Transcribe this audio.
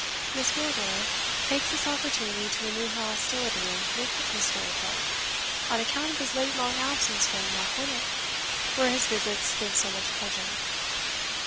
Miss Wardour takes this opportunity to renew her hostility with Mr. Oldbuck, on account of his late long absence from Knockwinnock, where his visits give so much pleasure."